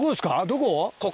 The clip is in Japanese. どこ？